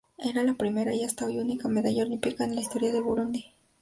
Era la primera, y hasta hoy única, medalla olímpica en la historia de Burundi.